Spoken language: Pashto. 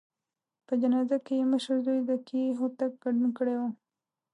په جنازه کې یې مشر زوی ذکي هوتک ګډون کړی و.